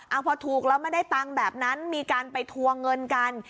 เอาพอถูกแล้วไม่ได้ตังค์แบบนั้นมีการไปทวงเงินกัน